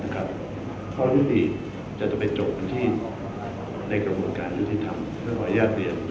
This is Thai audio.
เพราะวิธีจะต้องเป็นโจทย์หน้าที่ในกระบวนการยุทธิธรรมเพื่อขออนุญาตเรียน